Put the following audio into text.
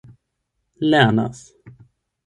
lernas